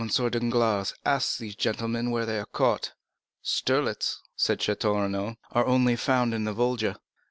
Danglars, ask these gentlemen where they are caught." "Sterlets," said Château Renaud, "are only found in the Volga."